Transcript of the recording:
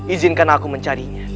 izinkan aku mencarinya